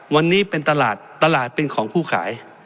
วันนี้เป็นตลาดตลาดเป็นของผู้ขาย